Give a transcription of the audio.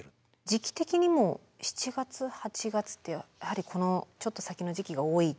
時期的にも７月８月ってやはりこのちょっと先の時期が多い。